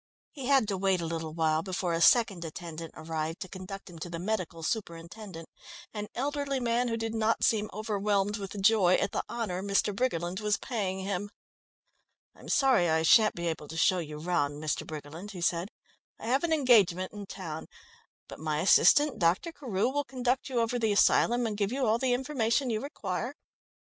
He had to wait a little while before a second attendant arrived to conduct him to the medical superintendent, an elderly man who did not seem overwhelmed with joy at the honour Mr. Briggerland was paying him. "I'm sorry I shan't be able to show you round, Mr. Briggerland," he said. "I have an engagement in town, but my assistant, Dr. Carew, will conduct you over the asylum and give you all the information you require.